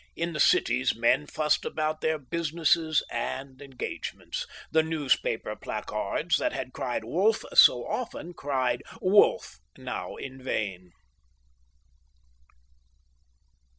In the cities men fussed about their businesses and engagements. The newspaper placards that had cried "wolf!" so often, cried "wolf!" now in vain.